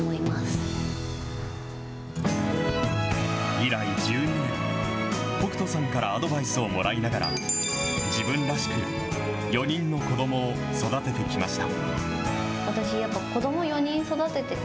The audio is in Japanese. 以来１２年、北斗さんからアドバイスをもらいながら、自分らしく、４人の子どもを育ててきました。